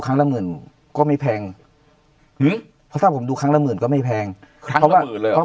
ครั้งละหมื่นก็ไม่แพงเพราะผมดูครั้งละหมื่นก็ไม่แพงเพราะว่า